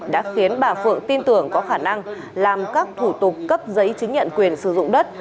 đã khiến bà phượng tin tưởng có khả năng làm các thủ tục cấp giấy chứng nhận quyền sử dụng đất